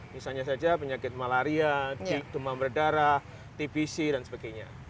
misalnya saja penyakit malaria demam berdarah tbc dan sebagainya